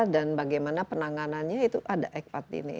dan bagaimana penanganannya itu ada ekpat ini